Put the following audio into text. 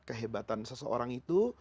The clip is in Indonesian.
kehebatan seseorang itu